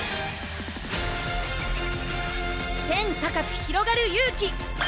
天高くひろがる勇気！